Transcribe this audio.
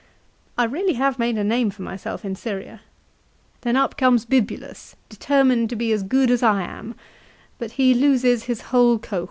I really have made a name for myself in Syria. Then up comes Bibulus, determined to be as good as I am ; but he loses his whole cohort."